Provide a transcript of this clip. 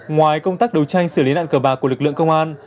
ngoài công tác đấu tranh xử lý nạn cờ bạc của lực lượng công an